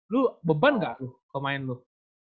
lu beban gak kalo main lu